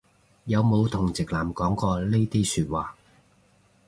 有冇同直男講過呢啲説話